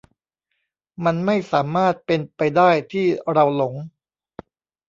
มันไม่สามารถเป็นไปได้ที่เราหลง